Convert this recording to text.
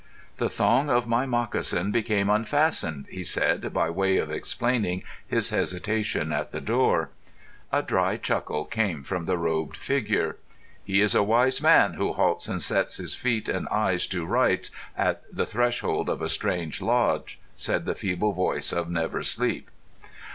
"The thong of my moccasin became unfastened," he said, by way of explaining his hesitation at the door. A dry chuckle came from the robed figure. "He is a wise man who halts and sets his feet and eyes to rights at the threshold of a strange lodge," said the feeble voice of Never Sleep.